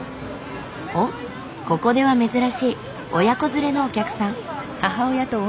おっここでは珍しい親子連れのお客さん。